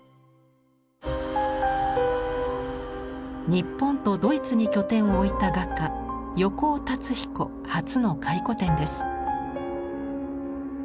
日本とドイツに拠点を置いた画家横尾龍彦初の回顧展です。